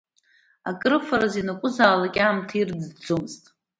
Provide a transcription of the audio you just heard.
Акрыфараз ианакәызаалак аамҭа ирӡӡомызт.